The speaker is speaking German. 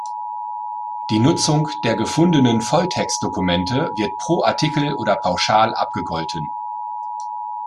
Die Nutzung der gefundenen Volltext-Dokumente wird pro Artikel oder pauschal abgegolten.